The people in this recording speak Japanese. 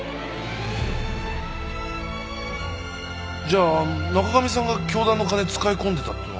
じゃあ中上さんが教団の金使い込んでたってのは？